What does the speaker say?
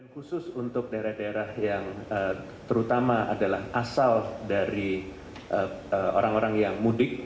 khusus untuk daerah daerah yang terutama adalah asal dari orang orang yang mudik